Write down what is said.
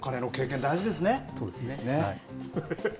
そうですね。